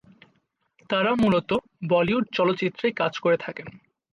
তারা মূলত বলিউড চলচ্চিত্রে কাজ করে থাকেন।